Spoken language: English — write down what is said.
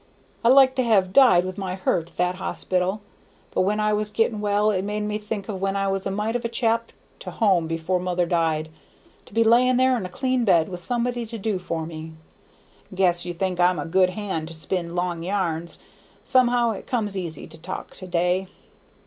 I liked to have died with my hurt at that hospital, but when I was getting well it made me think of when I was a mite of a chap to home before mother died, to be laying there in a clean bed with somebody to do for me. Guess you think I'm a good hand to spin long yarns; somehow it comes easy to talk to day."